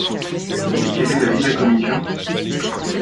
Quel est l’avis de la commission?